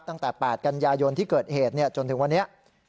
ตั้งแต่๘กันยายนที่เกิดเหตุจนถึงวันนี้